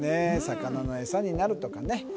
魚のエサになるとかね